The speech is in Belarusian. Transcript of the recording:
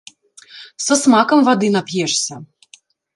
Са смакам вады нап'ешся!